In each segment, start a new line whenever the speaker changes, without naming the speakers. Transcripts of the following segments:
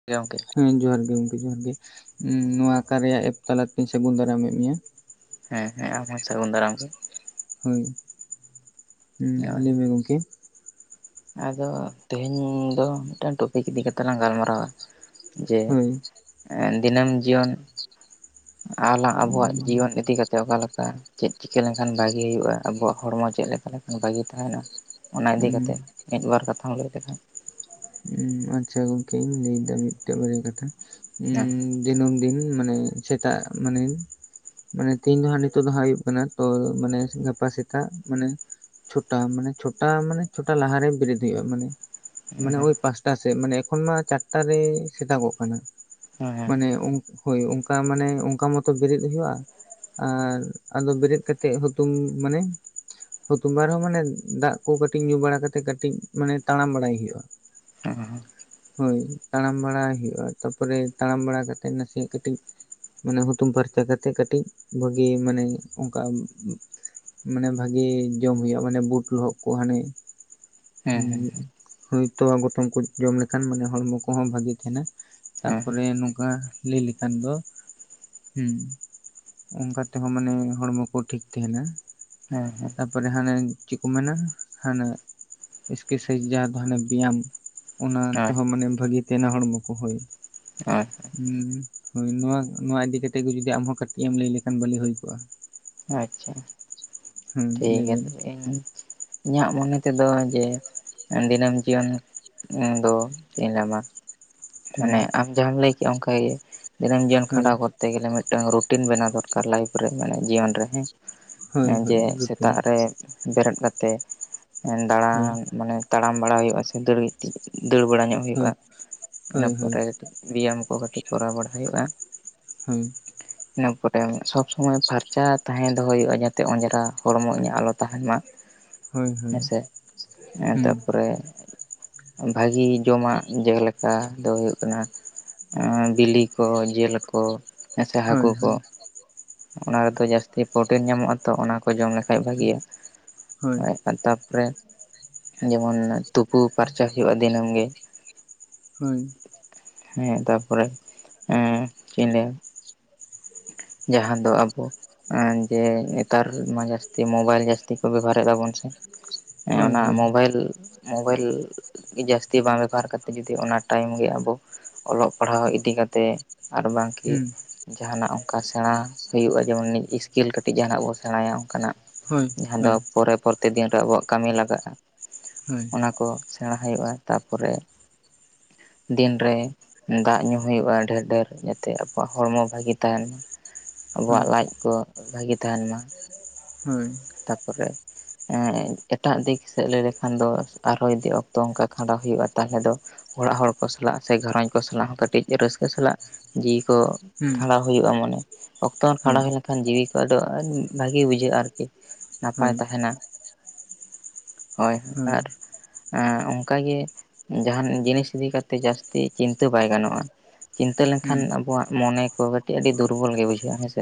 [unintelligible] ᱜᱚᱢᱠᱮ᱾
ᱦᱮᱸ ᱡᱚᱦᱟᱨ ᱜᱮ ᱜᱚᱝᱠᱮ ᱡᱚᱦᱟᱨᱜᱤ ᱱᱚᱣᱟ ᱠᱟᱨᱭᱟ ᱮᱯ ᱛᱟᱞᱟᱛᱮᱧ ᱥᱟᱹᱜᱩᱱ ᱫᱟᱨᱟᱢᱮᱫ ᱢᱮᱭᱟ᱾
ᱦᱮᱸ ᱦᱮᱸ ᱟᱢᱦᱚᱸ ᱥᱟᱹᱜᱩᱱ ᱫᱟᱨᱟᱢ ᱜᱮ᱾
ᱦᱳᱭ
ᱱᱚᱜᱼᱚᱭ
ᱞᱟᱹᱭᱢᱮ ᱜᱚᱢᱠᱮ᱾
ᱟᱫᱚ ᱛᱮᱦᱮᱧ ᱫᱚ ᱢᱤᱫᱴᱟᱝ ᱴᱚᱯᱤᱠ ᱤᱫᱤ ᱠᱟᱛᱮᱜ ᱞᱟᱝ ᱜᱟᱞᱢᱟᱨᱟᱣᱟ᱾ ᱡᱮ
ᱦᱳᱭ
ᱫᱤᱱᱟᱹᱢ ᱡᱤᱭᱚᱱ ᱟᱣᱞᱟ ᱟᱵᱚᱣᱟᱜ ᱡᱤᱭᱚᱱ ᱤᱫᱤ ᱠᱟᱛᱮᱫ ᱚᱠᱟᱞᱮᱠᱟ ᱪᱮᱫ ᱪᱤᱠᱟᱹ ᱞᱮᱱᱠᱷᱟᱱ ᱵᱷᱟᱜᱤ ᱦᱩᱭᱩᱜᱼᱟ ᱟᱵᱚᱣᱟᱜ ᱦᱚᱲᱢᱚ ᱪᱮᱫ ᱞᱮᱠᱟ ᱞᱮᱠᱷᱟᱱ ᱵᱷᱟᱜᱤ ᱛᱟᱦᱮᱸᱱᱟ, ᱚᱱᱟ ᱤᱫᱤ ᱠᱟᱛᱮ ᱢᱤᱫ ᱵᱟᱨ ᱠᱟᱛᱷᱟᱢ ᱞᱟᱹᱭ ᱞᱮᱠᱷᱟᱱ
ᱩᱸ ᱟᱪᱪᱷᱟ ᱜᱚᱝᱠᱮᱧ ᱞᱟᱹᱭ ᱫᱟ ᱢᱤᱫᱴᱮᱱ ᱵᱟᱨᱭᱟ ᱠᱟᱛᱷᱟ
ᱦᱮᱸ
ᱩᱸ ᱫᱤᱱᱟᱹᱢ ᱫᱤᱱ ᱢᱟᱱᱮ ᱥᱮᱛᱟᱜ ᱢᱟᱱᱮ ᱢᱟᱱᱮ ᱛᱮᱦᱮᱧ ᱫᱚ ᱦᱟᱸᱜ ᱱᱤᱛᱚᱜ ᱫᱚ ᱦᱟᱸᱜ ᱦᱩᱭᱩᱜ ᱠᱟᱱᱟ ᱛᱚ ᱢᱟᱱᱮ ᱜᱟᱯᱟ ᱥᱮᱛᱟᱜ ᱢᱟᱱᱮ ᱪᱷᱚᱴᱟ ᱢᱟᱱᱮ ᱪᱷᱚᱴᱟ ᱢᱟᱱᱮ ᱪᱷᱳᱚᱴᱟ ᱞᱟᱦᱟᱨᱮ ᱵᱮᱨᱮᱫ ᱦᱩᱭᱩᱜᱼᱟ, ᱢᱟᱱᱮ
ᱦᱮᱸ
ᱢᱟᱱᱮ ᱳᱭ ᱯᱟᱸᱪᱴᱟ ᱥᱮᱫ ᱢᱟᱱᱮ ᱮᱠᱷᱚᱱ ᱢᱟ ᱪᱟᱨᱴᱟᱮ ᱥᱮᱛᱟᱜᱚᱜ ᱠᱟᱱᱟ᱾
ᱦᱮᱸ
ᱢᱟᱱᱮ ᱩᱝᱠᱩ ᱦᱳᱭ ᱚᱝᱠᱟ ᱢᱟᱱᱮ ᱚᱝᱠᱟ ᱢᱚᱛᱚ ᱵᱮᱨᱮᱫ ᱦᱩᱭᱩᱜᱼᱟ, ᱟᱨ ᱟᱫᱚ ᱵᱮᱨᱮᱫ ᱠᱟᱛᱮᱫ ᱦᱩᱛᱩᱢ ᱢᱟᱱᱮ ᱦᱩᱛᱩᱢᱵᱟᱨᱟ ᱢᱟᱱᱮ ᱫᱟᱜ ᱠᱚ ᱠᱟᱹᱴᱤᱡ ᱧᱩ ᱵᱟᱲᱟ ᱠᱟᱛᱮᱜ ᱠᱟᱹᱴᱤᱡ ᱢᱟᱱᱮ ᱛᱟᱲᱟᱢ ᱵᱟᱲᱟᱭ ᱦᱩᱭᱩᱜᱼᱟ᱾
ᱦᱮᱸ᱾
ᱦᱳᱭ ᱛᱟᱲᱟᱢ ᱵᱟᱲᱟᱭ ᱦᱩᱭᱩᱜᱼᱟ, ᱛᱟᱯᱚᱨᱮ ᱛᱟᱲᱟᱢ ᱵᱟᱲᱟ ᱠᱟᱛᱮᱜ ᱱᱟᱥᱮᱭᱟᱜ ᱠᱟᱹᱢᱤᱡ ᱢᱟᱱᱮ ᱦᱩᱛᱩᱢ ᱯᱷᱟᱨᱪᱟ ᱠᱟᱛᱮᱜ ᱠᱟᱹᱴᱤᱡ ᱵᱷᱟᱹᱜᱤ ᱢᱟᱱᱮ ᱚᱝᱠᱟ ᱢᱟᱱᱮ ᱵᱷᱟᱜᱮ ᱡᱚᱢ ᱦᱩᱭᱩᱜᱼᱟ ᱢᱟᱱᱮ ᱵᱩᱴ ᱞᱚᱦᱚᱫ ᱠᱚ ᱦᱟᱸᱱᱮ
ᱦᱮᱸ ᱦᱮᱸ
ᱦᱩᱸ
ᱦᱮᱸ ᱦᱮᱸ
ᱦᱳᱭᱛᱳ ᱜᱚᱴᱚᱢ ᱠᱚ ᱡᱚᱢ ᱞᱮᱠᱷᱟᱱ ᱢᱟᱱᱮ ᱦᱚᱲᱢᱚ ᱠᱚᱦᱚᱸ ᱵᱷᱟᱹᱜᱮ ᱛᱟᱦᱮᱸᱱᱟ᱾ ᱛᱟᱯᱚᱨᱮ ᱱᱚᱝᱠᱟ ᱞᱟᱹᱭ ᱞᱮᱠᱷᱟᱱ ᱫᱚ ᱦᱩᱸ ᱚᱝᱠᱟ ᱛᱮᱦᱚᱸ ᱢᱟᱱᱮ ᱦᱚᱲᱢᱚ ᱠᱚ ᱴᱷᱤᱠ ᱛᱟᱦᱮᱸᱱᱟ᱾
ᱦᱮᱸ ᱦᱮᱸ᱾
ᱛᱟᱯᱚᱨᱮ ᱦᱟᱸᱱᱮ ᱪᱮᱫ ᱠᱚ ᱢᱮᱱᱟ ᱦᱟᱸᱱᱮ ᱮᱠᱥᱠᱮᱥᱟᱭᱤᱡ ᱡᱟᱦᱟᱸ ᱫᱚ ᱦᱟᱱᱮ ᱵᱮᱭᱟᱢ ᱚᱱᱟ
ᱦᱳᱭ
ᱛᱮᱦᱚᱸ ᱢᱟᱱᱮ ᱵᱷᱟᱹᱜᱤ ᱛᱮᱱᱟ ᱦᱚᱲᱢᱚ ᱠᱚ ᱦᱳᱭ᱾
ᱚ᱾
ᱦᱩᱸ ᱦᱳᱭ ᱱᱚᱣᱟ ᱱᱚᱣᱟ ᱤᱫᱤ ᱠᱟᱛᱮ ᱠᱚ ᱡᱩᱫᱤ ᱟᱢᱦᱚᱸ ᱠᱟᱹᱴᱤᱡ ᱮᱢ ᱞᱟᱹᱭ ᱞᱮᱠᱷᱟᱱ ᱵᱷᱟᱹᱞᱤ ᱦᱩᱭ ᱠᱚᱜᱼᱟ᱾
ᱟᱪᱪᱷᱟ᱾
ᱦᱮᱸ
ᱴᱷᱤᱠ
ᱞᱟᱹᱭ
ᱜᱮᱭᱟ
ᱵᱮᱱ
ᱛᱚᱵᱮ ᱤᱧ ᱤᱧᱟᱹᱜ ᱢᱚᱱᱮ ᱛᱮᱫᱚ ᱡᱮ ᱫᱤᱱᱟᱹᱢ ᱡᱤᱭᱚᱱ ᱤᱧ ᱫᱚ ᱪᱮᱫ ᱤᱧ ᱞᱟᱢᱟ
ᱦᱮᱸ
ᱢᱟᱱᱮ ᱟᱢ ᱡᱟᱦᱟᱸᱟᱢ ᱞᱟᱹᱭ ᱠᱮᱜ ᱚᱝᱠᱟᱜᱮ ᱫᱤᱱᱟᱹᱢ ᱡᱤᱭᱚᱱ
ᱦᱳᱭ
ᱠᱷᱟᱸᱰᱟᱣ ᱠᱚᱨ ᱛᱮ ᱜᱮᱞᱮ ᱢᱤᱫᱴᱟᱝ ᱨᱩᱴᱤᱱ ᱵᱮᱱᱟᱣ ᱫᱚᱨᱠᱟᱨ ᱞᱟᱭᱤᱯᱷ ᱨᱮ ᱢᱟᱱᱮ ᱡᱤᱭᱚᱱ ᱨᱮ ᱦᱮᱸ,
ᱦᱳᱭ ᱦᱳᱭ
ᱡᱮ
ᱨᱩᱴᱤᱱ
ᱥᱮᱛᱟᱜ ᱨᱮ ᱵᱮᱨᱮᱫ ᱠᱟᱛᱮᱜ ᱫᱟᱬᱟᱱ
ᱦᱳᱭ
ᱢᱟᱱᱮ ᱛᱟᱲᱟᱢ ᱵᱟᱲᱟ ᱦᱩᱭᱩᱜᱼᱟ ᱥᱮ ᱫᱟᱹᱲ ᱠᱟᱹᱴᱤᱡ ᱫᱟᱹᱲ ᱵᱟᱲᱟ ᱧᱚᱜ ᱦᱩᱭᱩᱜᱼᱟ
ᱦᱳᱭ᱾
ᱤᱱᱟᱹ
ᱦᱳᱭ
ᱯᱚᱨᱮ
ᱦᱳᱭ
ᱠᱟᱹᱴᱤᱡ ᱵᱮᱭᱟᱢ ᱠᱚ ᱠᱟᱹᱴᱤᱡ ᱠᱚᱨᱟᱣ ᱵᱟᱲᱟ ᱦᱩᱭᱩᱜᱼᱟ᱾
ᱦᱩᱭ᱾
ᱴ ᱤᱱᱟᱹ ᱠᱚᱛᱮ ᱥᱚᱵᱽ ᱥᱚᱢᱚᱭ ᱯᱷᱟᱨᱪᱟ ᱛᱟᱦᱮᱸ ᱫᱚᱦᱚᱭ ᱦᱩᱭᱩᱜᱼᱟ ᱡᱟᱛᱮ ᱚᱸᱡᱽᱨᱟ ᱦᱚᱲᱢᱚ ᱤᱧᱟᱹᱜ ᱟᱞᱚ ᱛᱟᱦᱮᱸᱱ ᱢᱟ᱾
ᱦᱳᱭ ᱦᱳᱭ ᱦᱳᱭ
ᱦᱮᱸᱥᱮ ᱮᱸ
ᱦᱩᱸ
ᱛᱟᱨᱯᱚᱨᱮ ᱵᱷᱟᱜᱤ ᱡᱚᱢᱟᱜ ᱡᱮᱞᱮ ᱠᱟ ᱫᱚ ᱦᱩᱭᱩᱜ ᱠᱟᱱᱟ ᱮᱸ ᱵᱤᱞᱤ ᱠᱚ ᱡᱤᱞ ᱠᱚ ᱦᱮᱸ ᱥᱮ
ᱦᱳᱭ
ᱦᱟᱹᱠᱩ ᱠᱚ᱾
ᱦᱳᱭ
ᱚᱱᱟ ᱨᱮᱫᱚ ᱡᱟᱹᱥᱛᱤ ᱯᱨᱳᱚᱴᱤᱱ ᱧᱟᱢᱚᱜᱼᱟ ᱛᱚ ᱚᱱᱟ ᱠᱚ ᱡᱚᱢ ᱞᱮᱠᱷᱟᱡ ᱵᱷᱟᱜᱤᱭᱟ ᱦᱳᱭ᱾ ᱛᱟᱯᱚᱨᱮ ᱡᱮᱢᱚᱱ ᱛᱩᱯᱩ ᱯᱷᱟᱨᱪᱟ ᱦᱩᱭᱩᱜᱼᱟ ᱫᱤᱱᱟᱹᱢ ᱜᱮ᱾
ᱦᱳᱭ᱾
ᱦᱮᱸ ᱛᱟᱯᱚᱨᱮ ᱮᱸ ᱪᱮᱸᱜ ᱤᱧ ᱞᱟᱹᱭᱟ? ᱡᱟᱦᱟᱸ ᱫᱚ ᱟᱵᱚ ᱟ ᱡᱮ ᱱᱮᱛᱟᱨ ᱢᱟ ᱡᱟᱥᱛᱤ ᱢᱳᱵᱟᱭᱤᱞ ᱡᱟᱥᱛᱤ ᱠᱚ ᱵᱮᱵᱚᱦᱟᱨ ᱮᱫᱟᱵᱚᱱ ᱥᱮ᱾ ᱮᱸ
ᱦᱳᱭ
ᱚᱱᱟ
ᱦᱳᱭ
ᱢᱳᱵᱟᱭᱤᱞ ᱢᱳᱵᱟᱭᱤᱞ ᱡᱟᱥᱛᱤ ᱵᱟᱝ ᱵᱮᱵᱚᱦᱟᱨ ᱠᱟᱛᱮ ᱡᱩᱫᱤ ᱚᱱᱟ ᱴᱟᱭᱤᱢ ᱜᱮ ᱟᱵᱚ ᱚᱞᱚᱜ ᱯᱟᱲᱦᱟᱣ ᱤᱫᱤ ᱠᱟᱛᱮ ᱟᱨ ᱵᱟᱝ
ᱦᱩᱸ᱾
ᱡᱟᱦᱟᱱᱟᱜ ᱚᱱᱠᱟ ᱥᱮᱬᱟᱸ ᱦᱩᱭᱩᱜᱼᱟ ᱡᱮᱢᱚᱱ ᱚᱱᱤ ᱤᱥᱠᱤᱞ ᱠᱟᱹᱴᱤᱡ ᱡᱟᱦᱟᱱᱟᱜ ᱵᱚ ᱥᱮᱬᱟᱭᱟ᱾ ᱠᱟᱱᱟᱜ
ᱦᱳᱭ
ᱡᱟᱦᱟᱸ ᱫᱚ
ᱦᱳᱭ
ᱯᱚᱨᱮ ᱯᱚᱨᱛᱮ ᱫᱤᱱ ᱨᱮ ᱟᱵᱚᱣᱟᱜ ᱠᱟᱢᱤ ᱞᱟᱜᱟᱜᱼᱟ᱾
ᱦᱳᱭ᱾
ᱚᱱᱟ ᱠᱚ ᱥᱮᱬᱟᱸ ᱦᱩᱭᱩᱜᱼᱟ ᱛᱟᱯᱚᱨᱮ ᱫᱤᱱᱨᱮ ᱫᱟᱜ ᱧᱩ ᱦᱩᱭᱩᱜᱼᱟ ᱰᱷᱮᱨ ᱰᱷᱮᱨ ᱡᱟᱛᱮ ᱟᱵᱚᱣᱟᱜ ᱦᱚᱲᱢᱚ ᱵᱷᱟᱜᱤ ᱛᱟᱦᱮᱱ ᱢᱟ᱾
ᱦᱳᱭ
ᱟᱵᱚᱣᱟᱜ ᱞᱟᱡ ᱠᱚ ᱵᱷᱟᱜᱤ ᱛᱟᱦᱮᱱ ᱢᱟ᱾
ᱦᱳᱭ᱾
ᱛᱟᱨᱯᱚᱨᱮ ᱮᱸ ᱮᱴᱟᱜ ᱫᱤᱠ ᱥᱮᱫ ᱞᱟᱹᱭ ᱞᱮᱠᱷᱟᱱ ᱫᱚ ᱟᱨᱦᱚᱸ ᱡᱚᱫᱤ ᱚᱠᱛᱚ ᱚᱱᱠᱟ ᱠᱷᱟᱸᱰᱟᱣ ᱦᱩᱭᱩᱜᱼᱟ ᱛᱟᱦᱞᱮ ᱫᱚ ᱚᱲᱟᱜ ᱦᱚᱲ ᱠᱚ ᱥᱟᱞᱟᱜ ᱥᱮ ᱜᱷᱟᱨᱚᱸᱡᱽ ᱠᱚ ᱥᱟᱞᱟᱜ ᱦᱚᱸ ᱠᱟᱴᱤᱡ ᱨᱟᱹᱥᱠᱟᱹ ᱥᱟᱞᱟᱜ ᱡᱤᱣᱤ ᱠᱚ
ᱦᱩᱸ
ᱠᱷᱟᱸᱰᱟᱣ ᱦᱩᱭᱩᱜᱼᱟ ᱢᱟᱱᱮ ᱚᱠᱛᱚ ᱜᱟᱱ
ᱦᱳᱭ
ᱠᱷᱟᱸᱰᱟᱣ ᱦᱩᱭ ᱞᱮᱱᱠᱷᱟᱱ ᱡᱤᱣᱤ ᱠᱚ ᱟᱰᱚ ᱵᱷᱟᱜᱤ ᱵᱩᱡᱷᱟᱹᱜᱼᱟ ᱟᱨᱠᱤ᱾
ᱦᱳᱭ ᱦᱳᱭ
ᱱᱟᱯᱟᱭ ᱛᱟᱦᱮᱱᱟ᱾ ᱡᱳᱭ ᱦᱳᱭ ᱟᱨ
ᱦᱩᱸ
ᱟ ᱚᱱᱠᱟᱜᱮ ᱡᱟᱦᱟᱱ ᱡᱤᱱᱤᱥ ᱤᱫᱤ ᱠᱟᱛᱮᱜ ᱡᱟᱥᱛᱤ ᱪᱤᱱᱛᱟᱹ ᱵᱟᱭ ᱜᱟᱱᱚᱜᱼᱟ᱾ ᱪᱤᱱᱛᱟᱹ ᱞᱮᱱᱠᱷᱟᱱ ᱟᱵᱚᱣᱟᱜ ᱢᱚᱱᱮ ᱠᱚ ᱠᱟᱹᱴ ᱟᱰᱤ ᱫᱩᱨᱵᱚᱞ ᱜᱮ ᱵᱩᱡᱷᱟᱹᱜᱼᱟ ᱦᱮᱸᱥᱮ᱾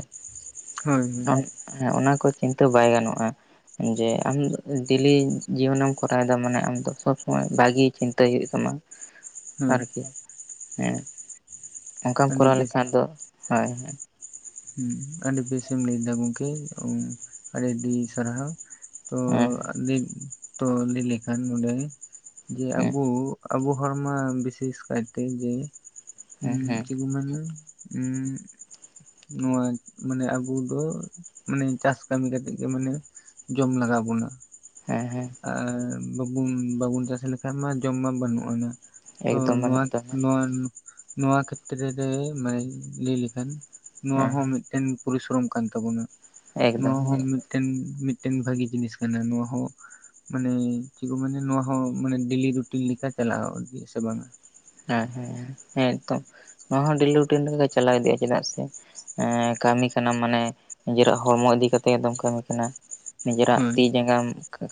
ᱦᱳᱭ ᱦᱳᱭ
ᱦᱮᱸ ᱚᱱᱟ ᱠᱚ ᱪᱤᱱᱛᱟᱹ ᱵᱟᱭ ᱜᱟᱱᱚᱜᱼᱟ᱾ ᱡᱮ ᱟᱢ ᱰᱮᱞᱤ ᱡᱤᱭᱚᱱᱮᱢ ᱠᱚᱨᱟᱣᱮᱫᱟ ᱢᱟᱱᱮ ᱟᱢ ᱫᱚ ᱥᱚᱵ ᱥᱚᱢᱚᱭ ᱵᱷᱟᱜᱤ ᱪᱤᱱᱛ ᱛᱟᱹᱭ ᱦᱩᱭᱩᱜ ᱛᱟᱢᱟ
ᱦᱳᱭ
ᱟᱨᱠᱤ ᱦᱮᱸ᱾ ᱚᱱᱠᱟᱢ
ᱟᱹᱰᱤ
ᱠᱚᱨᱟᱣ
ᱵᱮᱥ
ᱞᱮᱠᱷᱟᱱ ᱫᱚ ᱦᱳᱭ ᱦᱳᱭ᱾
ᱦᱩᱸ ᱟᱰᱤ ᱵᱮᱥᱮᱢ ᱞᱟᱹᱭᱫᱟ ᱜᱚᱢᱠᱮ ᱚ ᱟᱰᱤ ᱟᱰᱤ ᱥᱟᱨᱦᱟᱣ᱾ ᱛᱚ ᱟ
ᱦᱮᱸ
ᱞᱟᱹᱭ ᱛᱚ ᱞᱟᱹᱭ ᱞᱮᱠᱷᱟᱱ ᱱᱚᱰᱮ ᱡᱮ
ᱦᱮᱸ
ᱟᱵᱳ ᱟᱵᱚ ᱦᱚᱲᱢᱟ ᱵᱤᱥᱮᱥ ᱠᱟᱭᱛᱮ ᱡᱮ
ᱦᱮᱸ
ᱩᱸᱢ
ᱦᱮᱸ
ᱪᱮᱫ ᱠᱚ ᱢᱮᱱᱫᱟ᱾ ᱩᱸᱜ᱾ ᱱᱚᱣᱟ ᱢᱟᱱᱮ ᱟᱵᱩ ᱫᱚ ᱢᱟᱱᱮ ᱪᱟᱥ ᱠᱟᱢᱤ ᱠᱟᱛᱮᱜ ᱜᱮ ᱢᱟᱱᱮ ᱡᱚᱢ ᱞᱟᱜᱟᱣ ᱵᱚᱱᱟ᱾
ᱦᱮᱸ ᱦᱮᱸ᱾
ᱟᱨ ᱵᱟᱵᱩᱱ ᱵᱟᱵᱚᱱ ᱪᱟᱥ ᱞᱮᱠᱷᱟᱡ ᱢᱟ ᱡᱚᱢ ᱢᱟ ᱵᱟᱱᱩᱜ ᱟᱱᱟᱜ᱾ ᱛᱚ
ᱮᱠᱫᱚᱢ ᱵᱟᱹᱱᱩᱜ
ᱱᱚᱣᱟᱠ
ᱛᱟᱢᱟ
ᱱᱚᱣᱟᱱ ᱱᱚᱣᱟ ᱠᱷᱮᱛᱨᱮ ᱨᱮ ᱢᱟᱱᱮ ᱞᱟᱹᱭ ᱞᱮᱠᱷᱟᱱ ᱱᱚᱣᱟ ᱦᱚᱸ
ᱦᱮᱸ
ᱢᱤᱫᱴᱮᱱ ᱯᱚᱨᱤᱥᱨᱚᱢ ᱠᱟᱱ ᱛᱟᱵᱚᱱᱟ
ᱮᱠᱫᱚᱢ
ᱱᱚᱣᱟ
ᱮᱠᱫᱚᱢ
ᱦᱚᱸ ᱢᱤᱫᱴᱮᱱ ᱢᱤᱫᱴᱮᱱ ᱵᱷᱟᱜᱤ ᱡᱤᱱᱤᱥ ᱠᱟᱱᱟ ᱱᱚᱣᱟ ᱦᱚᱸ᱾ ᱢᱟᱱᱮ ᱪᱮᱫ ᱠᱚ ᱢᱮᱱᱟ ᱱᱚᱣᱟ ᱦᱚᱸ ᱢᱟᱱᱮ ᱰᱮᱞᱤ ᱨᱩᱴᱤᱱ ᱞᱮᱠᱟ ᱪᱟᱞᱟᱣ ᱤᱫᱤᱜ-ᱟ ᱥᱮ ᱵᱟᱝᱟ?
ᱦᱮᱸ ᱦᱮᱸ, ᱦᱮᱸ ᱛᱚ ᱱᱚᱣᱟ ᱦᱚᱸ ᱰᱮᱞᱤ ᱨᱩᱴᱤᱱ ᱞᱮᱠᱟᱜᱮ ᱪᱟᱞᱟᱣ ᱤᱫᱤᱜ-ᱟ ᱪᱮᱫᱟᱜ ᱥᱮ ᱮᱸ ᱠᱟᱹᱢᱤ ᱠᱟᱱᱟᱢ ᱢᱟᱱᱮ ᱱᱤᱡᱮᱨᱟᱜ ᱦᱚᱲᱢᱚ ᱤᱫᱤ ᱠᱟᱛᱮ ᱜᱮᱛᱚᱢ ᱠᱟᱢᱤ ᱠᱟᱱᱟ᱾ ᱱᱤᱡᱮᱨᱟᱜ
ᱦᱳᱭ
ᱛᱤ ᱡᱟᱸᱜᱟᱢ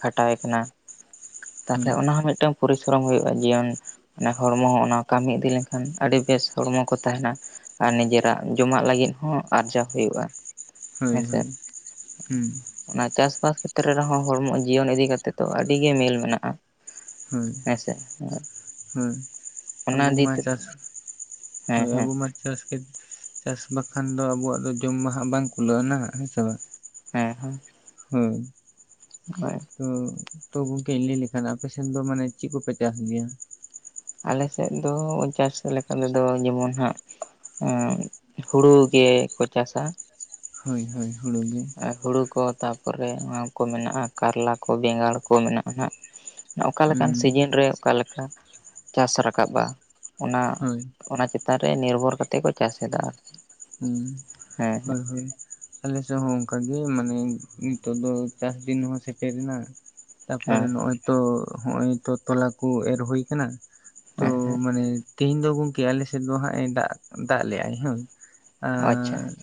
ᱠᱷᱟᱴᱟᱣᱮ ᱠᱟᱱᱟ ᱛᱟᱦᱚᱞᱮ
ᱦᱳᱭ
ᱚᱱᱟ ᱦᱚᱸ ᱢᱤᱫ ᱢᱴᱴᱟᱝ ᱯᱚᱨᱤᱥᱨᱚᱢ ᱦᱩᱭᱩᱜᱼᱟ ᱡᱤᱭᱚᱱ ᱢᱟᱱᱮ ᱦᱚᱲᱢᱚ ᱦᱚᱸ ᱚᱱᱟ ᱠᱟᱢᱤ ᱤᱫᱤ ᱞᱮᱱᱠᱷᱟᱱ ᱟᱰᱤ ᱵᱮᱥ ᱦᱚᱲᱢᱚ ᱠᱚ ᱛᱟᱦᱮᱱᱟ᱾ ᱟᱨ ᱱᱤᱡᱮᱨᱟᱜ ᱡᱚᱢᱟᱜ ᱞᱟᱜᱤᱫ ᱦᱚᱸ ᱟᱨᱡᱟᱣ ᱦᱩᱭᱩᱜᱼᱟ᱾
ᱦᱳᱭ
ᱦᱮᱸᱥᱮ,
ᱦᱳᱭ ᱦᱩᱸ
ᱚᱱᱟ ᱪᱟᱥᱵᱟᱥ ᱠᱷᱮᱛᱨᱮ ᱨᱮᱦᱚᱸ ᱦᱚᱲᱢᱚ ᱡᱤᱭᱚᱱ ᱤᱫᱤ ᱠᱟᱛᱮᱫ ᱫᱚ ᱟᱰᱤ ᱜᱮ ᱢᱤᱞ ᱢᱮᱱᱟᱜᱼᱟ᱾ ᱦᱮᱸ ᱥᱮ
ᱦᱩᱸ ᱟᱵᱩ ᱢᱟ ᱪᱟᱥ [inaudible]
ᱦᱮᱸ
ᱦᱳᱭ
ᱦᱮᱸ
ᱟᱵᱚ ᱢᱟ ᱪᱟᱥ ᱠᱮᱛ, ᱪᱟᱥ ᱵᱟᱠᱷᱟᱱ ᱫᱚ ᱟᱵᱚᱣᱟᱜ ᱫᱚ ᱡᱚᱢ ᱢᱟ ᱦᱟᱸᱜ ᱵᱟᱝ ᱠᱩᱞᱟᱹᱜ-ᱟ ᱱᱟᱜ ᱦᱮᱸ ᱥᱮ ᱵᱟᱝ᱾
ᱦᱮᱸ ᱦᱮᱸ
ᱦᱩᱸᱻ
[inaudible]
ᱛᱚ ᱛᱚ ᱜᱚᱝᱠᱮᱧ ᱞᱟᱹᱭ ᱞᱮᱠᱷᱟᱱ ᱟᱯᱮᱥᱮᱫ ᱫᱚ ᱢᱟᱱᱮ ᱪᱮᱫ ᱠᱚᱯᱮ ᱪᱟᱥ ᱜᱮᱭᱟ?
ᱟᱞᱮ ᱥᱮᱫ ᱫᱚ ᱪᱟᱥ ᱞᱮᱠᱟ ᱛᱮᱫᱚ ᱡᱮᱢᱚᱱ ᱦᱟᱸᱜ ᱩᱸᱻ ᱦᱩᱲᱩ ᱜᱮᱠᱚ ᱪᱟᱥᱟ᱾
ᱦᱳᱭ ᱦᱳᱭ ᱦᱩᱲᱳ ᱜᱮ᱾
ᱦᱩᱲᱩ ᱠᱚ ᱛᱟᱯᱚᱨᱮ ᱚᱱᱟ ᱠᱚ ᱢᱮᱱᱟᱜ-ᱟ ᱠᱟᱨᱞᱟ ᱠᱚ ᱵᱮᱸᱜᱟᱲ ᱠᱚ ᱢᱮᱱᱟᱜ-ᱟ ᱱᱟ ᱦᱟᱸᱜ᱾ ᱚᱠᱟᱞᱮᱠᱟᱱ
ᱦᱩᱸ
ᱥᱤᱡᱤᱱ ᱨᱮ ᱚᱠᱟᱞᱮᱠᱟ ᱪᱟᱥ ᱨᱟᱠᱟᱵᱟ ᱚᱱᱟ
ᱦᱳᱭ
ᱚᱱᱟ ᱪᱮᱛ ᱪᱮᱛᱟᱱ ᱨᱮ ᱱᱤᱨᱵᱷᱚᱨ ᱠᱟᱛᱮᱫ ᱠᱚ ᱪᱟᱥ ᱮᱫᱟ ᱟᱨ
ᱩᱸ
ᱦᱮᱸ
ᱦᱳᱭ ᱦᱳᱭ ᱟᱞᱮ ᱥᱮᱫ ᱦᱚᱸ ᱚᱱᱠᱟᱜᱮ ᱢᱟᱱᱮ ᱱᱤᱛᱚᱜ ᱫᱚ ᱪᱟᱥ ᱫᱤᱱ ᱦᱚᱸ ᱥᱮᱴᱮᱨᱮ ᱮᱱᱟ᱾ ᱛᱟᱯᱚᱨᱮ
ᱦᱮᱸ
ᱱᱚᱜᱚᱭ ᱛᱚ ᱱᱚᱜ ᱚᱭ ᱛᱚ ᱛᱚᱞᱟ ᱠᱚ ᱮᱨ ᱦᱩᱭ ᱟᱠᱟᱱᱟ ᱛᱚ
ᱦᱮᱸ ᱦᱮᱸ
ᱢᱟᱱᱮ ᱛᱮᱦᱤᱧ ᱫᱚ ᱜᱚᱝᱠᱮ ᱟᱞᱮᱥᱮᱫ ᱫᱚ ᱦᱟᱸᱜ ᱮ ᱫᱟᱜ ᱫᱟᱜ ᱞᱮᱜᱟᱭ ᱦᱮ
ᱟᱪᱪᱷᱟ
ᱟᱨ
ᱦᱮᱸ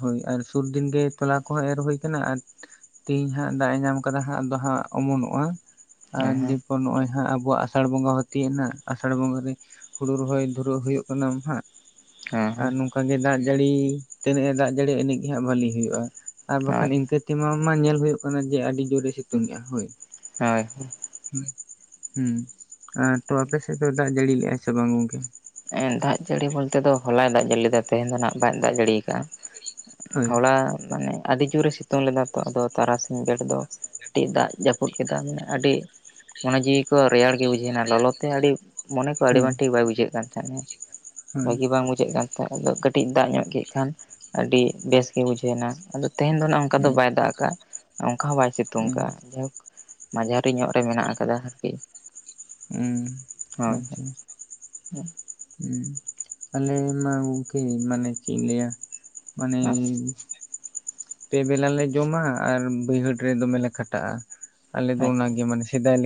ᱦᱳᱭ ᱟᱨ ᱥᱩᱨᱫᱤᱱᱜᱮ ᱛᱚᱞᱟ ᱠᱚᱦᱚᱸ ᱮᱨ ᱦᱩᱭ ᱟᱠᱟᱱᱟ ᱟᱨ ᱛᱮᱦᱤᱧ ᱦᱟᱸᱜ ᱫᱟᱜ ᱮ ᱧᱟᱢ ᱟᱠᱟᱫᱟ ᱦᱟᱸᱜ ᱟᱫᱚ ᱦᱟᱸᱜ ᱚᱢᱚᱱᱚᱜ-ᱟ᱾ ᱟᱨ
ᱦᱮᱸ
ᱱᱚᱜ ᱚᱭ ᱦᱟᱸᱜ ᱟᱵᱚᱣᱟᱜ ᱟᱥᱟᱲ ᱵᱚᱸᱜᱟ ᱦᱚ ᱛᱤᱭᱳᱜᱱᱟ ᱟᱥᱟᱲ ᱵᱚᱸᱜᱟᱮ ᱨᱮ ᱦᱩᱲᱩ ᱨᱚᱦᱚᱭ ᱫᱷᱩᱨᱟᱹᱜ ᱦᱩᱭᱩᱜ ᱠᱟᱱᱟᱢ ᱦᱟᱸᱜ᱾
ᱦᱮᱸ
ᱟᱨ
ᱦᱮᱸ
ᱱᱚᱝᱠᱟᱜᱮ ᱫᱟᱜ ᱡᱟᱹᱲᱤ ᱛᱤᱱᱟᱹᱜ ᱮ ᱫᱟᱜ ᱡᱟᱹᱲᱤᱭᱮᱜ ᱤᱱᱟᱹᱜ ᱜᱮ ᱦᱟᱸᱜ ᱵᱷᱟᱹᱞᱤ ᱦᱩᱭᱩᱜ-ᱟ᱾ ᱟᱨ ᱵᱟᱠᱷᱟᱱ
ᱦᱳᱭ
ᱤᱱᱠᱟᱹ ᱛᱮᱢᱟ ᱢᱟ ᱧᱮᱞ ᱦᱩᱭᱩᱜ ᱠᱟᱱᱟ ᱡᱮ ᱟᱹᱰᱤ ᱡᱳᱨᱮ ᱥᱤᱛᱩᱝᱮᱜ-ᱟ ᱦᱳᱭ᱾
ᱦᱮᱸ ᱦᱮᱸ
ᱦᱩᱸ ᱟᱨ ᱛᱚ ᱟᱯᱮ ᱥᱮᱫ ᱫᱚ ᱫᱟᱜ ᱡᱟᱹᱲᱤ ᱞᱮᱜ-ᱟ ᱥᱮ ᱵᱟᱝ ᱜᱚᱝᱠᱮ?
ᱫᱟᱜ ᱡᱟᱹᱲᱤ ᱵᱚᱞᱛᱮ ᱫᱚ ᱦᱚᱞᱟᱭ ᱫᱟᱜ ᱡᱟᱹᱲᱤ ᱞᱮᱫᱟ ᱛᱮᱦᱮᱧ ᱫᱚ ᱦᱟᱸᱜ ᱵᱟᱭ ᱫᱟᱜ ᱡᱟᱹᱲᱤᱭ ᱟᱠᱟᱫ-ᱟ᱾
ᱦᱳᱭ
ᱛᱷᱚᱲᱟ ᱢᱟᱱᱮ ᱟᱹᱰᱤ ᱡᱩᱨᱮ ᱮ ᱥᱤᱛᱩᱝ ᱞᱮᱫᱟ ᱛᱚ ᱟᱫᱚ ᱛᱟᱨᱟᱥᱤᱧ ᱵᱮᱲᱟ ᱫᱚ ᱟᱹᱰᱤ ᱫᱟᱜ ᱡᱟᱹᱯᱩᱫ ᱠᱮᱫᱟ ᱢᱟᱱᱮ ᱟᱹᱰᱤ ᱢᱚᱱᱮ ᱡᱤᱣᱤ ᱠᱚ ᱨᱮᱭᱟᱲ ᱜᱮ ᱵᱩᱡᱷᱟᱹᱣ ᱮᱱᱟ ᱞᱚᱞᱚ ᱛᱮ ᱟᱹᱰᱤ ᱢᱚᱱᱮ ᱠᱚ
ᱦᱳᱭ
ᱟᱹᱰᱤᱵᱟᱝ ᱴᱷᱤᱠ ᱵᱟᱭ ᱵᱩᱡᱷᱟᱹᱜ ᱠᱟᱱ ᱛᱟᱦᱮᱸᱱᱟ,
ᱦᱳᱭ
ᱵᱷᱟᱹᱜᱤ ᱵᱟᱝ ᱵᱩᱡᱷ ᱡᱷᱟᱹᱜ ᱠᱟᱱ ᱛᱟᱦᱮᱱ ᱟᱫᱚ ᱠᱟᱹᱴᱤᱡ ᱫᱟᱜ ᱧᱚᱜ ᱠᱮᱫ ᱠᱷᱟᱱ ᱟᱹᱰᱤ ᱵᱮᱥᱜᱮ ᱵᱩᱡᱷᱟᱹᱣᱱᱟ ᱟᱫᱚ ᱛᱮᱦᱮᱧ ᱫᱚ ᱱᱟᱸᱜ ᱚᱱᱠᱟ ᱫᱚ ᱵᱟᱭ ᱫᱟᱜ ᱠᱟᱜ-ᱟ᱾ ᱚᱱᱠᱟ ᱦᱚᱸ ᱵᱟᱭ ᱥᱤᱛᱩᱝ
ᱦᱩᱸ
ᱟᱠᱟᱫ-ᱟ ᱡᱟᱭᱦᱳᱠ ᱢᱟᱡᱷᱟᱹᱨᱤ ᱧᱚᱜ ᱨᱮ ᱢᱮᱱᱟᱜ ᱠᱟᱫᱟ ᱟᱨᱠᱤ᱾
ᱦᱩᱸ
ᱦᱳᱭ
ᱟᱪᱪᱷᱟ
[unintelligible]
ᱟᱞᱮ ᱢᱟ ᱜᱚᱝᱠᱮ ᱢᱟᱱᱮ ᱪᱮᱫ ᱤᱧ ᱞᱟᱹᱭᱟ ᱢᱟᱱᱮ
ᱦᱳᱭ
ᱯᱮ ᱵᱮᱞᱟ ᱞᱮ ᱡᱚᱢᱟ ᱟᱨ ᱵᱟᱹᱭᱦᱟᱹᱲ ᱨᱮ ᱫᱚᱢᱮ ᱞᱮ ᱠᱷᱟᱴᱟᱜ-ᱟ᱾ ᱟᱞᱮ ᱫᱚ
ᱟᱪᱪᱷᱟ
ᱚᱱᱟᱜᱮ ᱢᱟᱱᱮ ᱥᱮᱫᱟᱭ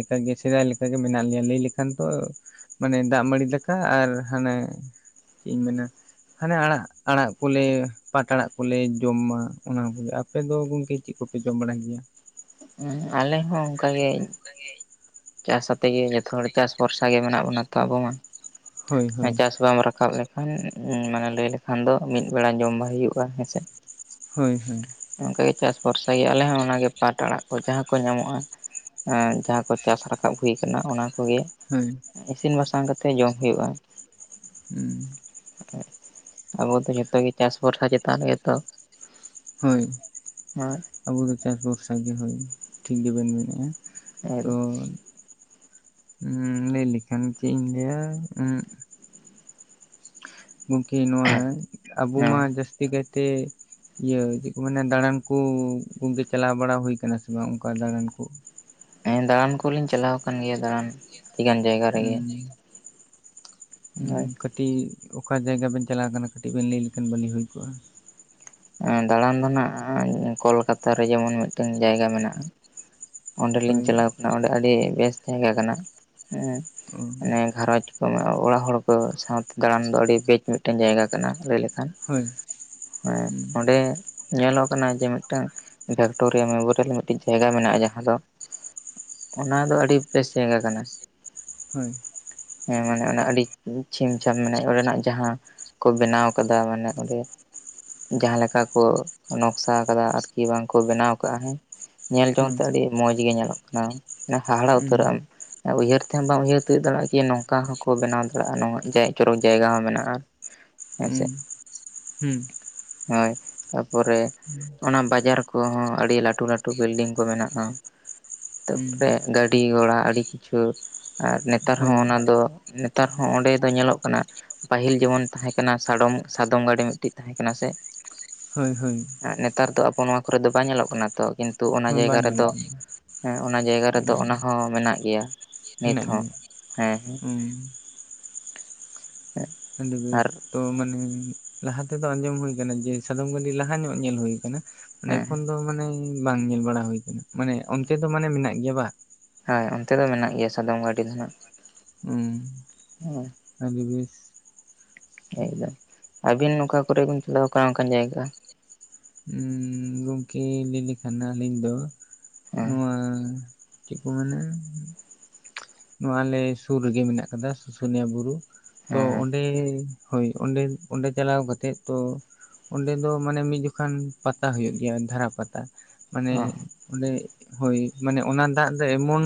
ᱥᱮᱫᱟᱭ ᱞᱮᱠᱟᱜᱮ ᱢᱮᱱᱟᱜ ᱞᱮᱭᱟ ᱞᱟᱹᱭ ᱞᱮᱠᱷᱟᱱ ᱛᱚ ᱢᱟᱱᱮ ᱫᱟᱜ ᱢᱟᱹᱲᱤ ᱫᱟᱠᱟ ᱟᱨ ᱦᱟᱱᱮ ᱪᱮᱫ ᱤᱧ ᱢᱮᱱᱟ ᱦᱟᱱᱮ ᱟᱲᱟᱜ ᱟᱲᱟᱜ ᱠᱚᱞᱮ ᱯᱟᱴ ᱟᱲᱟᱜ ᱠᱚᱞᱮ ᱡᱚᱢ ᱢᱟ ᱚᱱᱟ ᱠᱚᱜᱮ, ᱟᱯᱮ ᱫᱚ ᱜᱚᱝᱠᱮ ᱪᱮᱫ ᱠᱚᱯᱮ ᱡᱚᱢ ᱵᱟᱲᱟᱟᱭ ᱜᱮᱭᱟ?
ᱦᱩᱸ ᱟᱞᱮ ᱦᱚᱸ ᱚᱝᱠᱟ ᱜᱮ ᱪᱟᱥ ᱟᱛᱮ ᱜᱮ ᱡᱦᱚᱛᱚ ᱦᱚᱲ ᱪᱟᱥ ᱵᱷᱚᱨᱥᱟ ᱜᱮ ᱢᱮᱱᱟᱜ ᱵᱚᱱᱟ ᱛᱚ ᱟᱵᱚ
ᱦᱳᱭ
ᱢᱟ,
ᱦᱳᱭ
ᱪᱟᱥ ᱵᱟᱢ ᱨᱟᱠᱟᱵ ᱞᱮ ᱠᱷᱟᱱ ᱢᱟᱱᱮ ᱞᱟᱹᱭ ᱞᱮᱠᱷᱟᱱ ᱫᱚ ᱢᱤᱫ ᱵᱮᱲᱟ ᱡᱚᱢ ᱵᱟᱭ ᱦᱩᱭᱩᱜᱼᱟ ᱦᱮᱸᱥᱮ?
ᱦᱳᱭ ᱦᱳᱭ᱾
ᱚᱝᱠᱟᱜᱮ ᱪᱟᱥ ᱵᱷᱚᱨᱥᱟ ᱜᱮ ᱟᱞᱮ ᱦᱚᱸ ᱚᱱᱟᱜᱮ ᱯᱟᱴ ᱟᱲᱟᱜ ᱠᱚ ᱡᱟᱦᱟᱸ ᱠᱚ ᱧᱟᱢᱚᱜ-ᱟ ᱮᱸ ᱡᱟᱦᱟᱸ ᱠᱚ ᱪᱟᱥ ᱨᱟᱠᱟᱵ ᱦᱩᱭ ᱠᱟᱱᱟ ᱚᱱᱟ ᱠᱚᱜᱮ
ᱦᱳᱭ᱾
ᱤᱥᱤᱱ ᱵᱟᱥᱟᱝ ᱠᱟᱛᱮ ᱡᱚᱢ ᱦᱩᱭᱩᱜᱼᱟ᱾
ᱩᱸ᱾
ᱟᱵᱚ ᱫᱚ ᱡᱷᱚᱛᱚ ᱜᱮ ᱪᱟᱥ ᱵᱷᱚᱨᱥᱟ ᱪᱮᱛᱟᱱ ᱨᱮᱜᱮ ᱛᱚ?
ᱦᱳᱭ ᱟᱵᱚ ᱫᱚ ᱪᱟᱥ ᱵᱷᱚᱨᱥᱟ ᱜᱮ ᱦᱳᱭ ᱴᱷᱤᱠ ᱜᱮᱵᱮᱱ ᱢᱮᱱᱮᱫᱼᱟ᱾ ᱛᱚ ᱞᱟᱹᱭ ᱞᱮᱠᱷᱟᱱ ᱪᱮᱫ ᱤᱧ ᱞᱟᱹᱭᱟ ᱩᱸᱜ ᱜᱚᱝᱠᱮ ᱱᱚᱣᱟ ᱟᱵᱚ ᱢᱟ ᱡᱟᱹᱥᱛᱤ ᱠᱟᱭᱛᱮ ᱤᱭᱟᱹ ᱪᱮᱫ ᱠᱚ ᱢᱮᱟᱱᱮ ᱫᱟᱬᱟᱱ ᱠᱩ ᱜᱚᱝᱠᱮ ᱪᱟᱞᱟᱣ ᱵᱟᱲᱟ ᱦᱩᱭᱠᱟᱱᱟ ᱥᱮ ᱵᱟᱝ ᱚᱱᱠᱟ ᱫᱟᱬᱟᱱ ᱠᱩ?
ᱮᱸ ᱫᱟᱬᱟᱱ ᱠᱚᱞᱤᱧ ᱪᱟᱞᱟᱣ ᱠᱟᱱ ᱜᱮᱭᱟ ᱫᱟᱬᱟᱱ ᱟᱹᱰᱤ ᱜᱟᱱ ᱡᱟᱭᱜᱟ ᱨᱮᱜᱮ᱾ ᱦᱳᱭ᱾
ᱠᱟᱹᱴᱤᱡ ᱚᱠᱟ ᱡᱟᱭᱜᱟ ᱵᱮᱱ ᱪᱟᱞᱟᱣ ᱠᱟᱱᱟ ᱠᱟᱹᱴᱤᱡ ᱵᱮᱱ ᱞᱟᱹᱭ ᱞᱮᱠᱷᱟᱱ ᱵᱷᱟᱹᱞᱤ ᱦᱩᱭ ᱠᱚᱜᱼᱟ᱾
ᱫᱟᱬᱟᱱ ᱫᱚ ᱱᱟᱜ ᱠᱳᱞᱠᱟᱛᱟ ᱨᱮ ᱡᱮᱢᱚᱱ ᱢᱤᱫᱴᱮᱱ ᱡᱟᱭᱜᱟ ᱢᱮᱱᱟᱜᱼᱟ ᱚᱸᱰᱮᱞᱤᱧ
ᱦᱳᱭ
ᱪᱟᱞᱟᱣ ᱠᱟᱱᱟ ᱚᱸᱰᱮ ᱟᱹᱰᱤ ᱵᱮᱥ ᱡᱟᱭᱜᱟ ᱠᱟᱱᱟ ᱦᱩᱸ
ᱚ
ᱢᱟᱱᱮ ᱜᱷᱟᱨᱚᱸᱧᱚᱡ ᱚᱲᱟᱜ ᱦᱚᱲ ᱠᱚ ᱥᱟᱶᱛᱮ ᱫᱟᱬᱟᱱ ᱫᱚ ᱟᱹᱰᱤ ᱵᱡᱽ ᱢᱤᱫᱴᱮᱱ ᱡᱟᱭᱜᱟ ᱠᱟᱱᱟ ᱞᱟᱹᱭ ᱞᱮᱠᱷᱟᱱ᱾
ᱦᱳᱭ ᱦᱩᱸ᱾
ᱨᱮ ᱧᱮᱞᱚᱜ ᱠᱟᱱᱟ ᱡᱮ ᱢᱤᱫᱴᱟᱝ ᱵᱷᱮᱠᱴᱳᱨᱤᱭᱟ ᱢᱮᱢᱳᱨᱤᱭᱟᱞ ᱢᱤᱫᱴᱤᱡ ᱡᱟᱭᱜᱟ ᱢᱮᱱᱟᱜᱼᱟ ᱡᱟᱦᱟᱸ ᱫᱚ ᱚᱱᱟ ᱫᱚ ᱟᱹᱰᱤ ᱵᱮᱥ ᱡᱟᱭᱜᱟ ᱠᱟᱱᱟ᱾
ᱦᱳᱭ᱾
ᱦᱮᱸ ᱢᱟᱱᱮ ᱚᱱᱟ ᱟᱹᱰᱤ ᱪᱷᱤᱢ ᱪᱷᱟᱢ ᱢᱮ ᱚᱸᱰᱮᱱᱟᱜ ᱡᱟᱦᱟᱸ ᱠᱚ ᱵᱮᱱᱟᱣ ᱠᱟᱫᱟ ᱢᱟᱱᱮ ᱚᱸᱰᱮ ᱡᱟᱦᱟᱸ ᱞᱮᱠᱟ ᱠᱚ ᱱᱚᱠᱥᱟ ᱠᱟᱫᱟ ᱟᱨᱠᱤ ᱵᱟᱝ ᱠᱚ ᱵᱮᱱᱟᱣ ᱠᱟᱫᱟ ᱦᱮᱸ ᱧᱮᱞ
ᱦᱮᱸ
ᱡᱚᱝ ᱛᱮ ᱟᱹᱰᱤ ᱢᱚᱸᱡᱽ ᱜᱮ ᱧᱮᱞᱚᱜ ᱠᱟᱱᱟ, ᱚᱱᱮ
ᱩᱸ
ᱦᱟᱦᱟᱲᱟ ᱩᱛᱟᱹᱨᱚᱜᱼᱟᱢ᱾
ᱩᱸ
ᱩᱭᱦᱟᱹᱨ ᱛᱮᱦᱚᱸ ᱵᱟᱢ ᱩᱭᱦᱟᱹᱨ ᱛᱤᱭᱳᱜ ᱫᱟᱲᱮᱭᱟᱜᱼᱟ ᱠᱤ ᱱᱚᱝᱠᱟ ᱦᱚᱸᱠᱚ ᱵᱮᱱᱟᱣ ᱫᱟᱲᱮᱭᱟᱜᱼᱟ ᱱᱚᱣᱟ ᱡᱟᱭ ᱪᱚᱨᱚᱠ ᱡᱟᱭᱜᱟ ᱦᱚᱸ ᱢᱮᱱᱟᱜᱼᱟ᱾ ᱦᱮᱸ ᱥᱮ᱾
ᱦᱩᱸ᱾
ᱦᱳᱭ ᱛᱟᱯᱚᱨᱮ ᱚᱱᱟ ᱵᱟᱡᱟᱨ ᱠᱚᱦᱚᱸ ᱟᱹᱰᱤ ᱞᱟᱹᱴᱩ ᱞᱟᱹᱴᱩ ᱵᱤᱞᱰᱤᱝ ᱠᱚ ᱢᱮᱱᱟᱜᱼᱟ᱾
ᱩᱸ
ᱛᱟᱨᱯᱚᱨᱮ ᱜᱟᱹᱰᱤ ᱜᱷᱚᱲᱟ ᱟᱹᱰᱤ ᱠᱤᱪᱷᱩ ᱟᱨ ᱱᱮᱛᱟᱨ ᱦᱚᱸ
ᱦᱳᱭ
ᱚᱱᱟ ᱫᱚ ᱱᱮ ᱛᱟᱨ ᱦᱚᱸ ᱚᱸᱰᱮ ᱫᱚ ᱧᱮᱞᱚᱜ ᱠᱟᱱᱟ ᱯᱟᱹᱦᱤᱞ ᱡᱮᱢᱚᱱ ᱛᱟᱦᱮᱸ ᱠᱟᱱᱟ ᱥᱟᱰᱚᱢ ᱥᱟᱫᱚᱢ ᱜᱟᱹᱰᱤ ᱢᱤᱫᱴᱮᱱ ᱛᱟᱦᱮᱸ ᱠᱟᱱᱟ ᱥᱮ?
ᱦᱳᱭ ᱦᱳᱭ᱾
ᱱᱮᱛᱟᱨ ᱫᱚ ᱟᱵᱚ ᱱᱚᱣᱟ ᱠᱚᱨᱮ ᱫᱚ ᱵᱟᱭ ᱧᱮᱞᱚᱜ ᱠᱟᱱᱟ᱾ ᱛᱚ ᱠᱤᱱᱛᱩ ᱚᱱᱟ
ᱦᱳᱭ
ᱡᱟᱭᱜᱟ
ᱵᱟᱝ ᱧᱮᱞᱚᱜ
ᱨᱮᱫᱚ
ᱠᱟᱱᱟ
ᱦᱮᱸ ᱚᱱᱟ ᱡᱟᱭᱜᱟ ᱨᱮᱫᱚ
ᱩᱸ
ᱚᱱᱟᱦᱚᱸ ᱢᱮᱱᱟᱜ ᱜᱮᱭᱟ᱾ ᱱᱤᱛᱦᱚᱸ ᱦᱮᱸ ᱦᱮᱸ᱾
ᱦᱩᱸ᱾ ᱟᱹᱰᱤ ᱵᱮᱥ᱾
ᱟᱨ
ᱛᱚ ᱢᱟᱱᱮ ᱞᱟᱦᱟ ᱛᱮᱫᱚ ᱟᱸᱡᱚᱢ ᱦᱩᱭ ᱠᱟᱱᱟ ᱡᱮ ᱥᱟᱫᱚᱢ ᱜᱟᱹᱰᱤ ᱞᱟᱦᱟ ᱧᱚᱜ ᱧᱮᱞ ᱦᱩᱭ ᱠᱟᱱᱟ, ᱚᱱᱮ
ᱦᱮᱸ
ᱮᱠᱷᱚᱱ ᱫᱚ ᱢᱟᱱᱮ ᱵᱟᱝ ᱧᱮᱞ ᱵᱟᱲᱟ ᱦᱩᱭ ᱠᱟᱱᱟ ᱢᱟᱱᱮ ᱚᱱᱛᱮ ᱫᱚ ᱢᱟᱱᱮ ᱢᱮᱱᱟᱜ ᱜᱮᱭᱟ ᱵᱟᱝ?
ᱦᱮᱸ ᱚᱱᱛᱮ ᱫᱚ ᱢᱮᱱᱟᱜ ᱜᱮᱭᱟ ᱥᱟᱫᱚᱢ ᱜᱟᱹᱰᱤ ᱫᱚ ᱱᱟᱸᱜ᱾
ᱩᱸ ᱟᱰᱤ ᱵᱮᱥ᱾
ᱮᱠᱫᱚᱢ ᱟᱹᱵᱤᱱ ᱚᱠᱟ ᱠᱚᱨᱮ ᱵᱤᱱ ᱪᱟᱞᱟᱣ ᱠᱟᱱᱟ ᱚᱱᱠᱟᱱ ᱡᱟᱭᱜᱟ᱾
ᱜᱚᱢᱠᱮ ᱞᱟᱹᱭ ᱞᱮᱠᱷᱟᱱ ᱟᱹᱞᱤᱧ ᱫᱚ
ᱦᱮᱸ
ᱱᱚᱣᱟ᱾ ᱪᱮᱜ ᱠᱚ ᱢᱮᱱᱟ ᱱᱚᱣᱟ ᱟᱞᱮ ᱥᱩᱨ ᱨᱮᱜᱮ ᱢᱮᱱᱟᱜ ᱠᱟᱫᱟ ᱥᱩᱥᱩᱱᱤᱭᱟ ᱵᱩᱨᱩ᱾ ᱛᱚ
ᱦᱮᱸ ᱦᱮᱸ
ᱚᱸᱰᱮ᱾ ᱦᱳᱭ ᱚᱸᱰᱮ ᱚᱸᱰᱮ ᱪᱟᱞᱟᱣ ᱠᱟᱛᱮᱫ ᱛᱚ ᱚᱸᱰᱮ ᱫᱚ ᱢᱟᱱᱮ ᱢᱤᱫ ᱡᱚ ᱠᱷᱟᱱ ᱯᱟᱛᱟ ᱦᱳᱭᱳᱜ ᱜᱮᱭᱟ ᱫᱷᱟᱨᱟ ᱯᱟᱛᱟ ᱢᱟᱱᱮ᱾
ᱚ
ᱚᱸᱰᱮ ᱦᱳᱭ ᱢᱟᱱᱮ ᱚᱱᱟ ᱫᱟᱜ ᱫᱚ ᱮᱢᱚᱱ᱾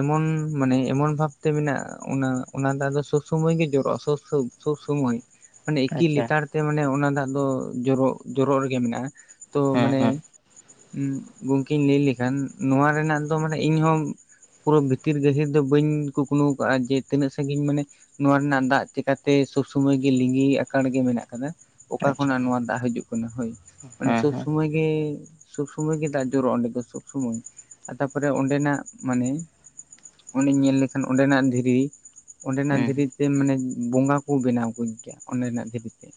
ᱮᱢᱚᱱ ᱢᱟᱱᱮ ᱮᱢᱚᱱ ᱵᱷᱟᱵᱛᱮ ᱢᱮᱱᱟᱜ-ᱟ ᱚᱱᱟ ᱚᱱᱟ ᱫᱟᱜ ᱫᱚ ᱥᱚᱵ ᱥᱳᱢᱳᱭ ᱜᱮ ᱡᱚᱨᱚᱜ-ᱟ ᱥᱚᱵ ᱥᱳᱵ᱾ ᱥᱚᱵ ᱥᱚᱢᱳᱭ ᱢᱟᱱᱮ ᱮᱠᱤ
ᱟᱪᱪᱷᱟ
ᱞᱮᱛᱟᱲ ᱛᱮ ᱢᱟᱱᱮ ᱚᱱᱟ ᱫᱟᱜ ᱫᱚ ᱡᱚᱨᱚᱜ ᱡᱚᱨᱚᱜ ᱨᱮᱜᱮ ᱢᱮᱱᱟᱜ-ᱟ᱾ ᱛᱚ
ᱦᱮᱸ
ᱢᱟᱱᱮ᱾
ᱦᱮᱸ
ᱩᱸ ᱜᱚᱝᱠᱮᱧ ᱞᱟᱹᱭ ᱞᱮᱠᱷᱟᱱ ᱱᱚᱣᱟ ᱨᱮᱱᱟᱜ ᱫᱚ ᱢᱟᱱᱮ ᱤᱧᱦᱚᱸ᱾ ᱯᱩᱨᱟᱹ ᱵᱷᱤᱛᱤᱨ ᱜᱟᱹᱦᱤᱨ ᱫᱚ ᱵᱟᱹᱧ ᱠᱩᱠᱢᱩ ᱠᱟᱜ-ᱟ ᱡᱮ ᱛᱤᱱᱟᱹᱜ ᱥᱟᱹᱜᱤᱧ ᱢᱟᱱᱮ᱾ ᱱᱚᱣᱟ ᱨᱮᱱᱟᱜ ᱫᱟᱜ ᱪᱮᱠᱟᱛᱮ ᱥᱚᱵ ᱥᱚᱢᱚᱭ ᱜᱮ ᱞᱤᱸᱜᱤ ᱟᱠᱟᱲ ᱜᱮ ᱢᱮᱱᱟᱜ ᱠᱟᱫᱟ᱾ ᱚᱠᱟ
ᱟᱪᱪᱷᱟ
ᱠᱷᱚᱱᱟᱜ
ᱦᱮᱸ
ᱱᱚᱣᱟ ᱫᱟᱜ ᱦᱟᱹᱡᱩᱜ ᱠᱟᱱᱟ ᱦᱳᱭ ᱢᱟᱱᱮ
ᱦᱮᱸ
ᱥᱳᱵ
ᱦᱮᱸ
ᱥᱩᱢᱟᱹᱭ᱾ ᱢᱚᱭ ᱜᱮ ᱥᱚᱵ ᱥᱳᱢᱳᱭ ᱜᱮ ᱫᱟᱜ ᱡᱚᱨᱚᱜ-ᱟ ᱚᱱᱰᱮ ᱫᱚ ᱥᱚᱵ ᱥᱳᱢᱳᱭ᱾ ᱛᱟᱯᱚᱨᱮ ᱚᱸᱰᱮᱱᱟᱜ ᱢᱟᱱᱮ ᱚᱱᱰᱮᱧ ᱧᱮᱞ ᱞᱮᱠᱷᱟᱱ ᱚᱸᱰᱮᱱᱟᱜ ᱫᱷᱤᱨᱤ᱾ ᱚᱸᱰᱮᱱᱟᱜ
ᱦᱮᱸ
ᱫᱷᱤᱨᱤᱛᱮ ᱢᱟᱱᱮ ᱵᱚᱸᱜᱟ ᱠᱚ ᱵᱮᱱᱟᱣ ᱠᱚ ᱜᱮᱭᱟ ᱚᱸᱰᱮᱱᱟᱜ ᱫᱷᱤᱨᱤᱛᱮ᱾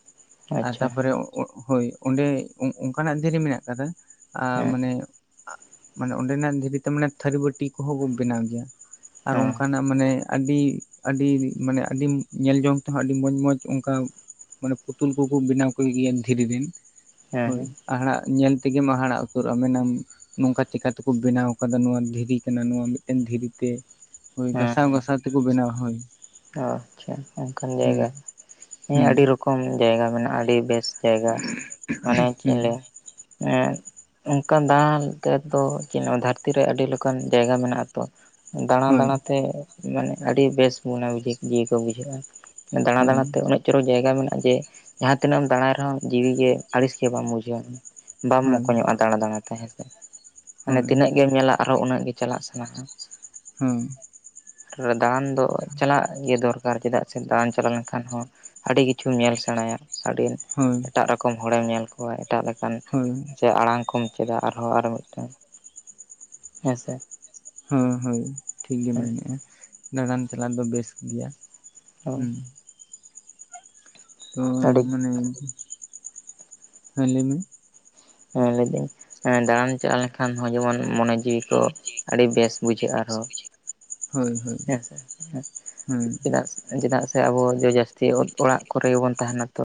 ᱟᱨ
ᱟᱪᱪᱷᱟ
ᱛᱟᱯᱚᱨᱮ
ᱦᱮᱸ
ᱦᱳᱭ ᱚᱸᱰᱮ ᱚᱱᱠᱟᱱᱟᱜ ᱫᱷᱤᱨᱤ ᱢᱮᱱᱟᱜ ᱠᱟᱫᱟ᱾ ᱟ
ᱦᱮᱸ
ᱢᱟᱱᱮ ᱢᱟᱱᱮ ᱚᱸᱰᱮᱱᱟᱜ ᱫᱷᱤᱨᱤᱛᱮ ᱢᱟᱱᱮ ᱛᱷᱟᱹᱨᱤᱵᱟᱹᱴᱤ ᱠᱚᱦᱚ ᱠᱚ ᱵᱮᱱᱟᱣ ᱜᱮᱭᱟ᱾ ᱟᱨ
ᱦᱮᱸ
ᱚᱝᱠᱟᱱᱟᱜ ᱢᱟᱱᱮ ᱟᱹᱰᱤ ᱟᱹᱰᱤ ᱢᱟᱱᱮ ᱟᱹᱰᱤ ᱧᱮᱞ ᱡᱚᱝ ᱛᱮᱦᱚᱸ ᱟᱹᱰᱤ ᱢᱚᱡᱽ ᱢᱚᱡᱽ ᱚᱱᱠᱟ ᱢᱟᱱᱮ ᱯᱩᱛᱩᱞ ᱠᱩᱠᱩ ᱵᱮᱱᱟᱣ ᱠᱚ ᱜᱮᱭᱟ ᱫᱷᱤᱨᱤ ᱨᱮᱱ ᱦᱳᱭ᱾
ᱦᱮᱸ
ᱦᱟᱦᱟᱲᱟᱜ ᱧᱮᱞ ᱛᱮᱜᱮᱢ ᱦᱟᱦᱟᱲᱟᱜ ᱩᱛᱟᱹᱨᱚᱜᱼᱟ ᱢᱮᱱᱟᱢ ᱱᱚᱝᱠᱟ ᱪᱤᱠᱟ ᱛᱮᱠᱚ ᱵᱮᱱᱟᱣ ᱠᱟᱫᱟ ᱱᱚᱣᱟ ᱫᱷᱤᱨᱤ ᱠᱟᱱᱟ ᱱᱚᱣᱟ ᱢᱤᱜᱴᱮᱱ ᱫᱷᱤᱨᱤᱛᱮ᱾ ᱦᱳᱭ
ᱦᱮᱸ
ᱜᱷᱟᱥᱟᱣ
ᱦᱮᱸ
ᱜᱷᱟᱥᱟᱣ ᱛᱮᱠᱩ ᱵᱮᱱᱟᱣᱟ ᱦᱳᱭ᱾
ᱚ ᱟᱪᱪᱷᱟ ᱚᱱᱠᱟᱱ
ᱦᱩᱸ
ᱡᱟᱭᱜᱟ ᱦᱮᱸ
ᱦᱩᱸ
ᱟᱹᱰᱤ ᱨᱚᱠᱚᱢ ᱡᱟᱭᱜᱟ ᱢᱮᱱᱟᱜ-ᱟ ᱟᱰᱤ ᱵᱮᱥ ᱡᱟᱭᱜᱟ ᱢᱟᱱᱮ ᱪᱮᱜ ᱤᱧ
ᱦᱩᱸ
ᱞᱟᱹᱭ ᱟ ᱚᱱᱠᱟ ᱫᱟᱞ ᱛᱮᱫᱚ ᱪᱮᱜ ᱤᱧ ᱞᱟᱹᱭᱢᱟ ᱫᱷᱟᱹᱨᱛᱤ ᱨᱮ ᱟᱹᱰᱤ ᱞᱮᱠᱟᱱ ᱡᱟᱭᱜᱟ ᱢᱮᱱᱟᱜ-ᱟ ᱛᱚ᱾ ᱫᱟᱸᱬᱟ
ᱦᱳᱭ
ᱫᱟᱸᱬᱟᱛᱮ ᱢᱟᱱᱮ ᱟᱰᱤ ᱵᱮᱥ ᱢᱚᱱᱮ ᱵᱩᱡᱟᱹ ᱡᱤᱣᱤ ᱠᱚ ᱵᱩᱡᱷᱟᱹᱜ-ᱟ᱾ ᱫᱟᱸᱬᱟ
ᱦᱳᱭ
ᱫᱟᱸᱬᱟ ᱛᱮ ᱩᱱᱟᱹᱡ ᱪᱚᱨᱚᱠ ᱡᱟᱭᱜᱟ ᱢᱮᱱᱟᱜ-ᱟ ᱡᱮ ᱡᱟᱸᱦᱟ ᱛᱤᱱᱟᱹᱜ ᱮᱢ ᱫᱟᱸᱬᱟᱭ ᱨᱮᱦᱚᱸ ᱡᱤᱣᱤ ᱜᱮ ᱟᱲᱤᱥ ᱜᱮ ᱵᱟᱢ ᱵᱩᱡᱷᱟᱹᱣᱟ᱾ ᱵᱟᱢ
ᱦᱳᱭ
ᱢᱚᱠᱚᱧᱚᱜ-ᱟ ᱫᱟᱸᱬᱟ ᱫᱟᱸᱬᱟ ᱛᱮ ᱦᱮᱸᱥᱮ ᱢᱟᱱᱮ
ᱦᱳᱭ
ᱛᱤᱱᱟᱹᱜ ᱜᱮᱢ ᱧᱮᱞᱟ ᱟᱨᱚ ᱩᱱᱟᱹᱜ ᱜᱮ ᱪᱟᱞᱟᱜ ᱥᱟᱱᱟ-ᱟ᱾
ᱦᱩᱸ᱾
ᱟᱨ ᱫᱟᱸᱬᱟᱱ ᱫᱚ ᱪᱟᱞᱟᱜ ᱜᱮ ᱫᱚᱨ ᱠᱟᱨ ᱪᱮᱫᱟᱜ ᱥᱮ ᱫᱟᱸᱬᱟᱱ ᱪᱟᱞᱟ ᱞᱮᱱᱠᱷᱟᱱ ᱦᱚᱸ ᱟᱰᱤ ᱠᱤᱪᱷᱩᱢ ᱧᱮᱞ ᱥᱮᱸᱬᱟᱭᱟ ᱟᱰᱤ᱾
ᱦᱳᱭ
ᱮᱴᱟᱜ ᱨᱚᱠᱚᱢ ᱦᱚᱲᱮᱢ ᱧᱮᱞ ᱠᱚᱣᱟ ᱮᱴᱟᱜ ᱞᱮᱠᱟᱱ
ᱦᱳᱭ
ᱪᱮ ᱟᱲᱟᱝ ᱠᱚᱢ ᱪᱮᱫᱟ ᱟᱨᱦᱚᱸ ᱟᱨᱚ ᱢᱤᱜᱴᱟᱹᱝ ᱦᱮᱸ ᱥᱮ
ᱦᱩ ᱦᱳᱭ ᱴᱷᱤᱠ ᱜᱮᱢ ᱢᱮᱱᱮᱜ-ᱟ ᱫᱟᱸᱬᱟᱱ ᱪᱟᱞᱟᱜ ᱫᱚ ᱵᱮᱥ ᱜᱮᱭᱟ᱾ ᱦᱩᱸ᱾ ᱛᱚ
ᱟᱹᱰᱤ
ᱢᱟᱱᱮ ᱦᱮᱸ ᱞᱟᱹᱭᱢᱮ᱾
ᱦᱮᱸ ᱞᱟᱹᱭᱫᱟᱹᱧ ᱦᱮᱸ ᱫᱟᱸᱬᱟᱱ ᱪᱟᱞᱟ ᱞᱮᱱᱠᱷᱟᱱ ᱦᱚᱸ ᱡᱮᱢᱚᱱ ᱢᱚᱱᱮ ᱡᱤᱣᱤ ᱠᱚ ᱟᱰᱤ ᱵᱮᱥ ᱵᱩᱡᱷᱟᱹᱜ-ᱟ ᱟᱨᱦᱚ
ᱦᱳᱭ ᱦᱳᱭ
ᱦᱮᱸ ᱥᱮ
ᱦᱮᱸ
ᱪᱮᱫᱟᱜ ᱥᱮ ᱪᱮᱫᱟᱜ ᱥᱮ ᱟᱵᱚ ᱫᱚ ᱡᱟᱹᱥᱛᱤ ᱚᱲᱟᱜ ᱠᱚᱨᱮ ᱜᱮᱵᱚᱱ ᱛᱟᱦᱮᱱᱟ ᱛᱚ